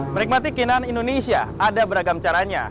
menikmati keinan indonesia ada beragam caranya